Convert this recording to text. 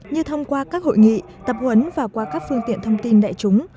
như thông qua các hội nghị tập huấn và qua các phương tiện thông tin đại chúng